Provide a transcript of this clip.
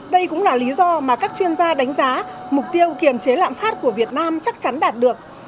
đây cũng là lý do mà các chuyên gia đánh giá mục tiêu kiềm chế lạm phát của việt nam chắc chắn đạt được